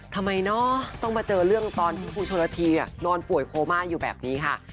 ทำไมเนาะต้องมาเจอเรื่องตอนที่ครูชนละทีนอนป่วยโคม่าอยู่แบบนี้ค่ะ